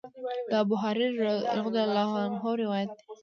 د ابوهريره رضی الله عنه نه روايت دی :